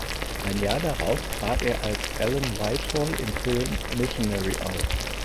Ein Jahr darauf trat er als "Alan Whitehall" im Film "Missionary" auf.